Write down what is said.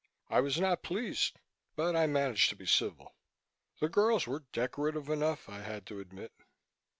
I was not pleased, but I managed to be civil. The girls were decorative enough, I had to admit.